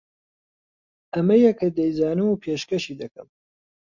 ئەمەیە کە دەیزانم و پێشکەشی دەکەم